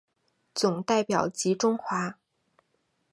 总代表吉钟华。